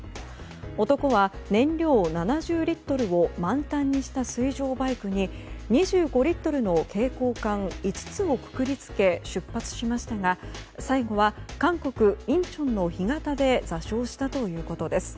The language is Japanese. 男は燃料７０リットルを満タンにした水上バイクに２５リットルの携行缶５つをくくり付け出発しましたが最後は韓国インチョンの干潟で座礁したということです。